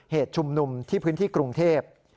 เหตุชุมนุมที่พื้นที่กรุงเทพ